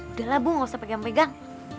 udah lah bu gak usah pegang pegang